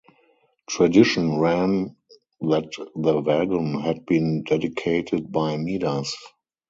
Tradition ran that the wagon had been dedicated by Midas.